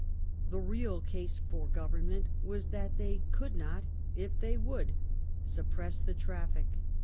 The real case for Government was that they could not, if they would, suppress the traffic.